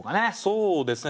そうですね